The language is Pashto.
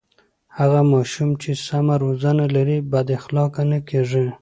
هغه ماشوم چې سمه روزنه لري بد اخلاقه نه کېږي.